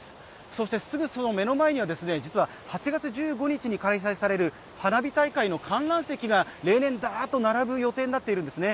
そしてすぐその目の前には８月１５日に開催される花火大会の観覧席が例年、ダーッと並ぶ予定になっているんですね。